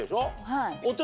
はい。